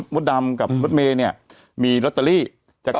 แต่หนูจะเอากับน้องเขามาแต่ว่า